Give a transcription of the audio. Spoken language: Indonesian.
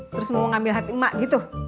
terus mau ngambil hati emak gitu